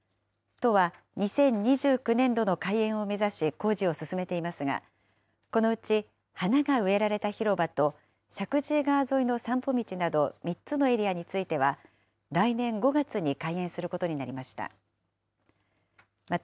都は、２０２９年度の開園を目指し工事を進めていますが、このうち花が植えられた広場と、石神井川沿いの散歩道など３つのエリアについては、来年５月に開園することになりました。